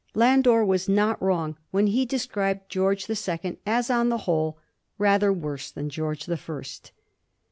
Landor was not wrong when he described George the Second as, on the whole, rather worse than George the First.